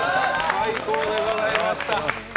最高でございました。